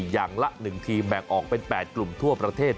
อย่างละ๑ทีมแบ่งออกเป็น๘กลุ่มทั่วประเทศ